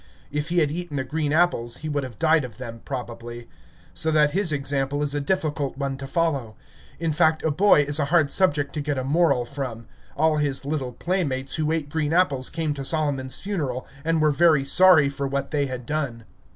If he had eaten the green apples, he would have died of them, probably; so that his example is a difficult one to follow. In fact, a boy is a hard subject to get a moral from. All his little playmates who ate green apples came to Solomon's funeral, and were very sorry for what they had done.